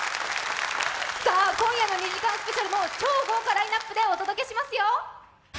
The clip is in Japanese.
今夜の２時間スペシャルも超豪華ラインナップでお届けしますよ！